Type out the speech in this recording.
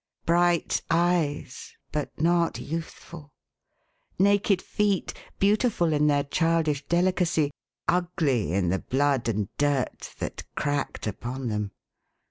Bright eyes, but not youthful. Naked feet, beautiful in their childish delicacy, — ugly in the blood and dirt that cracked upon them.